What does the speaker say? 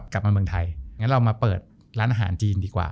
กลับมาเมืองไทยงั้นเรามาเปิดร้านอาหารจีนดีกว่า